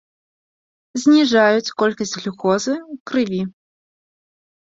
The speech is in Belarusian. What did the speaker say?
Зніжаюць колькасць глюкозы ў крыві.